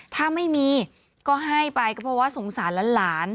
ถ้าไม่มีก็ให้ไปก็เพราะว่าสงสารหลาน